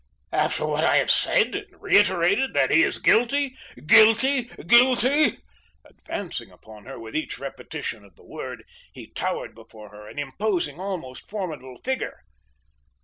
After what I have said and reiterated that he is guilty, GUILTY, GUILTY?" Advancing upon her with each repetition of the word, he towered before her, an imposing, almost formidable figure.